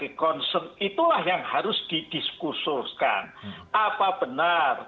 ya itu konsensi yang disampaikan oleh